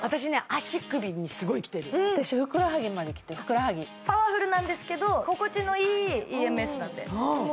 足首にすごいきてる私ふくらはぎまできてふくらはぎパワフルなんですけど心地のいいＥＭＳ